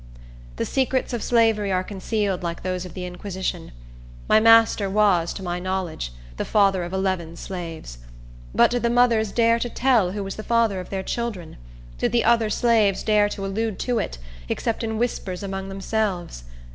The secrets of slavery are concealed like those of the Inquisition. My master was, to my knowledge, the father of eleven slaves. But did the mothers dare to tell who was the father of their children? Did the other slaves dare to allude to it, except in whispers among themselves?